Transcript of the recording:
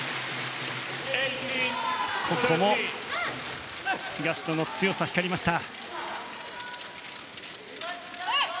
ここも東野の強さが光りました。